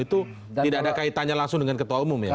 itu tidak ada kaitannya langsung dengan ketua umum ya